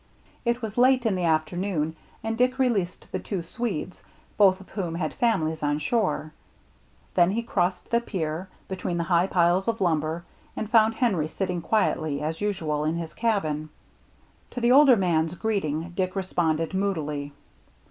It was late in the afternoon, and Dick released the two Swedes, both of whom had families on shore. Then he crossed the pier, between the high piles of lumber, and found Henry sitting quietly, as usual, in his cabin. To the older man's greeting Dick responded moodily.